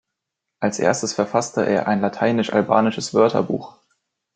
Als erster verfasste er ein lateinisch-albanisches Wörterbuch.